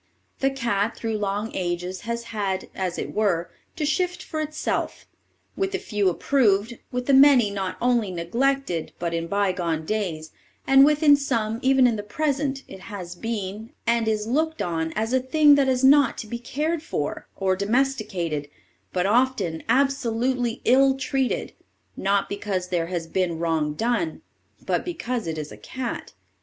The cat through long ages has had, as it were, to shift for itself; with the few approved, with the many not only neglected, but in bygone days, and with some even in the present, it has been, and is looked on as a thing that is not to be cared for, or domesticated, but often absolutely ill treated, not because there has been wrong done, but because it is a cat.